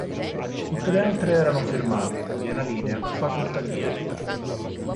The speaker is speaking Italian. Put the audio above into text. Tutte le altre erano fermate, in piena linea, facoltative.